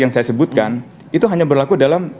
yang saya sebutkan itu hanya berlaku dalam